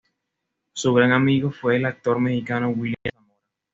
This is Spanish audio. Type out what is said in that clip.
Su gran amigo fue el actor mexicano William Zamora.